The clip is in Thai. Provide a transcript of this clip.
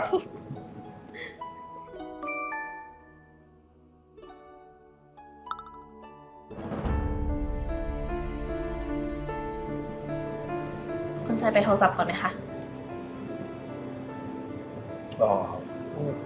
คุณชายไปโทรศัพท์ก่อนไหมคะ